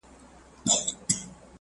زه ، ته او سپوږمۍ